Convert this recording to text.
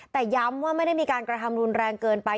แต่ย้ำว่าไม่ได้มีการกระทำรุนแรงเกินไป